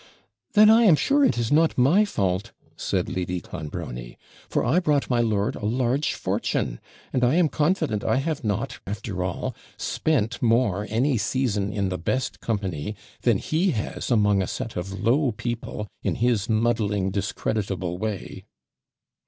'Then I am sure it is not my fault,' said Lady Clonbrony; 'for I brought my lord a large fortune; and I am confident I have not, after all, spent more any season, in the best company, than he has among a set of low people, in his muddling, discreditable way.'